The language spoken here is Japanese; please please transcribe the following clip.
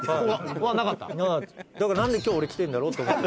「だからなんで今日俺来てるんだろうと思って」